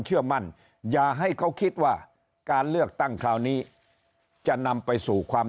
เชื่อมั่นอย่าให้เขาคิดว่าการเลือกตั้งคราวนี้จะนำไปสู่ความ